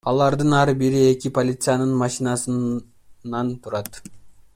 Алардын ар бири эки полициянын машинасынан турат.